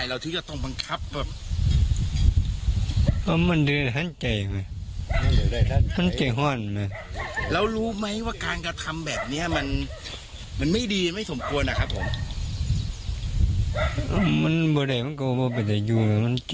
มันบาปนั้นโอ๊ะมันบาปนะรู้ไหมรู้ไหมรู้ไหมว่ามันบาปนะ